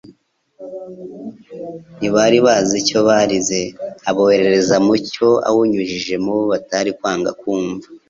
Ntibari bazi icyo barize. Aboherereza muucyo awunyujije mu bo batari kwanga kumva.